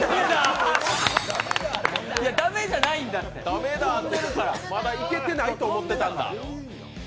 駄目だって、まだいけてないと思ってたんだ？